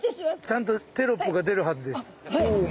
ちゃんとテロップが出るはずです。